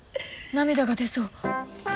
涙が出そう。